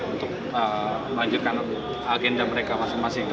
untuk melanjutkan agenda mereka masing masing